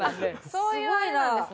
そういうあれなんですね。